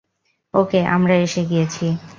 ওকে, আমরা এসে গিয়েছি।